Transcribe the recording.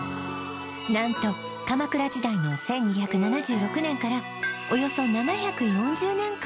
何と鎌倉時代の１２７６年からおよそ７４０年間